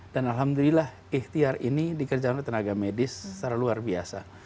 dan alhamdulillah ikhtiar ini dikerjakan oleh tenaga medis secara luar biasa